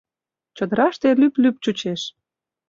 Чодыраште лӱп-лӱп чучеш.